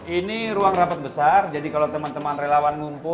ini ruang rapat besar jadi kalau teman teman relawan ngumpul